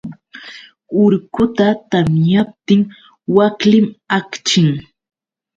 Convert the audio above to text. Urquta tamyaptin waklim akchin.